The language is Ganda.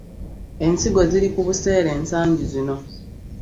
Ensigo ziri ku buseere ensangi zino.